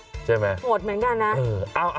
โหดเหมือนกันนะ